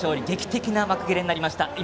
劇的な幕切れになりました。